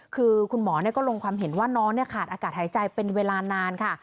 คือคุณหมอก็ลงความเห็นว่าน้องขาดอากาศหายใจเป็นเวลานานค่ะ